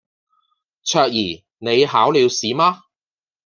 卓怡你考了試嗎